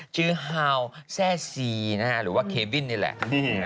ฮาวแซ่ซีหรือว่าเคบินนี่แหละ